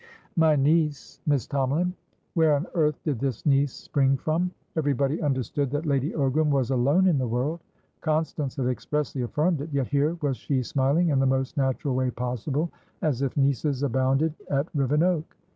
"My niece, Miss Tomalin." Where on earth did this niece spring from? Everybody understood that Lady Ogram was alone in the world. Constance had expressly affirmed ityet here was she smiling in the most natural way possible, as if nieces abounded at Rivenoak.